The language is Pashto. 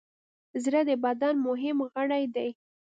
زړه د بدن مهم غړی دی.